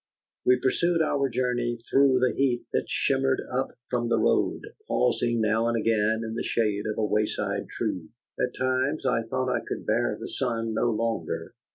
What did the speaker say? We pursued our journey through the heat that shimmered up from the road, pausing now and again in the shade of a wayside tree. At times I thought I could bear the sun no longer.